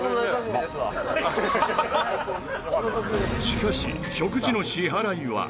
しかし食事の支払いは。